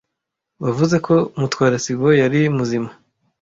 Wavuze ko Mutwara sibo yari muzima.